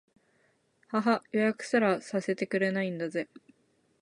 ははっ、予約すらさせてくれないんだぜ